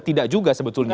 tidak juga sebetulnya ya